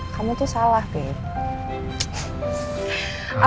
kamu tuh salah babe